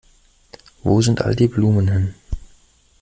Wo sind all die Blumen hin?